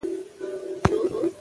که وینه وي نو ګروپ نه غلطیږي.